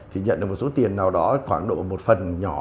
thì nhận được một số tiền nào đó khoảng độ một phần nhỏ